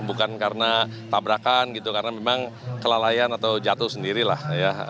bukan karena tabrakan gitu karena memang kelalaian atau jatuh sendiri lah ya